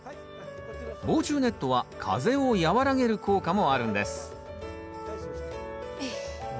防虫ネットは風を和らげる効果もあるんですよし